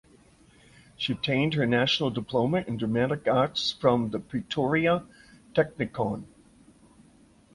She obtained her national diploma in dramatic arts from the Pretoria Technikon.